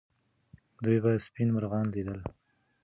دوی به سپین مرغان لیدل.